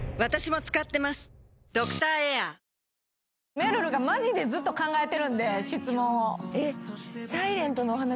めるるがマジでずっと考えてるんで質問を。